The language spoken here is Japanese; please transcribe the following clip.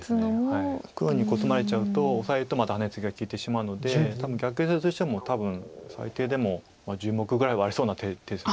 黒にコスまれちゃうとオサえるとまたハネツギが利いてしまうので逆ヨセとしても多分最低でも１０目ぐらいはありそうな手です。